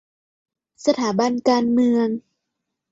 สถาบันการเมือง